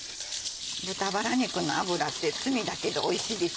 豚バラ肉の脂って罪だけどおいしいですよね。